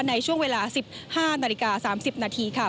ในช่วงเวลา๑๕นาฬิกา๓๐นาทีค่ะ